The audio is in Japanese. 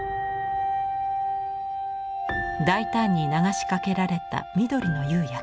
大胆に流しかけられた緑の釉薬。